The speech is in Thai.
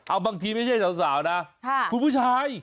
เอาบางทีไม่ใช่สาวนะคุณผู้ชาย